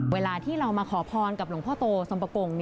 เวลาที่เรามาขอพรกับหลวงพ่อโตสมปกง